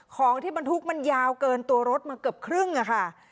ของที่บรรทุกมันยาวเกินตัวรถมาเกือบครึ่งอะค่ะ